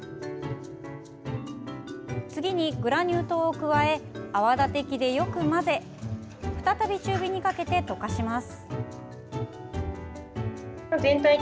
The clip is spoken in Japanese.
次に、グラニュー糖を加え泡立て器でよく混ぜ再び中火にかけて、溶かします。